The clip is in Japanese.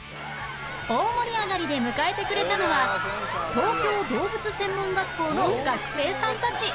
大盛り上がりで迎えてくれたのは東京動物専門学校の学生さんたち